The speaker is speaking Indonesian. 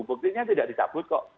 buktinya tidak dicabut kok